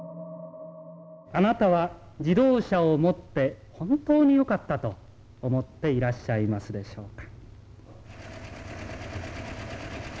あなたは自動車を持って本当によかったと思っていらっしゃいますでしょうか？